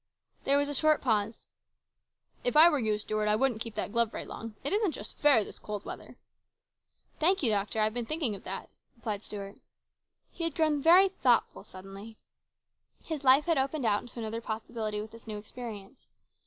There was a short pause. "If I were you, Stuart, I wouldn't keep that glove very long. It isn't just fair this cold weather." " Thank you, doctor, I have been thinking of that," replied Stuart. COMPLICATIONS. 197 He had grown very thoughtful suddenly. His life had opened out into another possibility with this new experience.